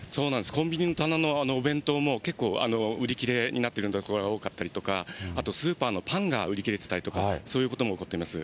コンビニの棚のお弁当も、結構、売り切れになっているところが多かったりとか、あとスーパーのパンが売り切れていたりとか、そういうことがあったりします。